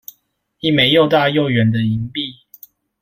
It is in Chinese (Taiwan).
一枚又大又圓的銀幣